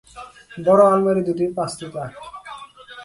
বড় আলমারি দুটির পাঁচটি তাক।